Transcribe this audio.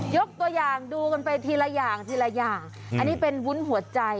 ยกตัวอย่างดูกันไปทีละอย่างทีละอย่างอันนี้เป็นวุ้นหัวใจ